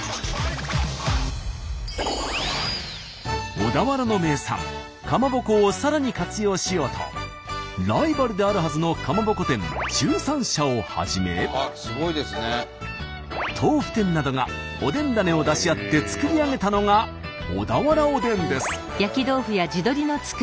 小田原の名産かまぼこをさらに活用しようとライバルであるはずのかまぼこ店１３社をはじめ豆腐店などがおでん種を出し合って作り上げたのが小田原おでんです。